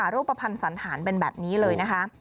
รูปประพันธ์สันฐานเป็นแบบนี้เลยนะคะ